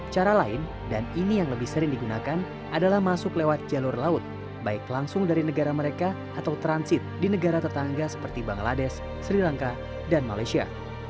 cara lain dan ini yang lebih sering digunakan adalah masuk lewat jalur laut baik langsung dari negara mereka atau transit di negara tetangga seperti bangladesh sri lanka dan malaysia